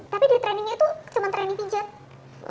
tapi di trainingnya itu cuma training pijat